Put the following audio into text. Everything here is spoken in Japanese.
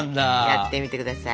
やってみてください！